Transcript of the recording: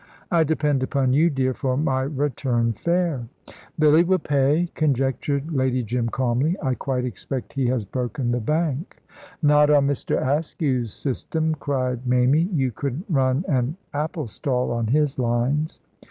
"I depend upon you, dear, for my return fare." "Billy will pay," conjectured Lady Jim, calmly: "I quite expect he has broken the bank." "Not on Mr. Askew's system," cried Mamie; "you couldn't run an apple stall on his lines."